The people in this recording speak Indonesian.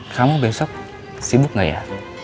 kamu besok sibuk gak ya